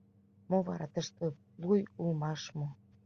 — Мо вара, тыште луй улмаш мо?